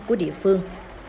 của địa phương